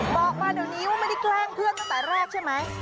พบว่าเดี๋ยวนี้ไม่ได้แกล้งเพื่อนต้องเตรียมใช่ไหม